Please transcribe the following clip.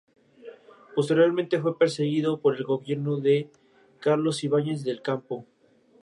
Posteriormente, fue perseguido por el gobierno de Carlos Ibáñez del Campo.